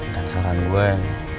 dan saran gue nih